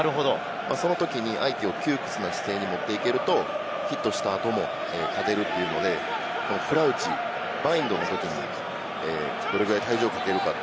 そのときに相手を窮屈な姿勢に持っていけるとヒットした後も勝てるというので、クラウチ・バインドのときにどれぐらい体重をかけるか。